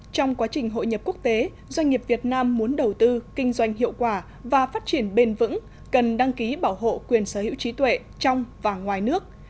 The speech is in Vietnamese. trong quá trình hội nhập quốc tế doanh nghiệp việt nam muốn đầu tư kinh doanh hiệu quả và phát triển bền vững cần đăng ký bảo hộ quyền sở hữu trí tuệ trong và ngoài nước